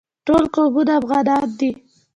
ټول قومونه افغانان دي